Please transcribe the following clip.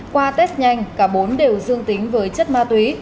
qua test nhanh cả bốn đều dương tính với chất ma túy